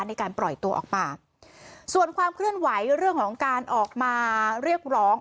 ในการปล่อยตัวออกมาส่วนความเคลื่อนไหวเรื่องของการออกมาเรียกร้อง